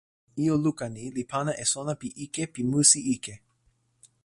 ijo luka ni li pana e sona pi ike pi musi ike.